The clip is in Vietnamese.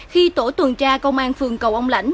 khi tổ tuần tra công an phường cầu ông lãnh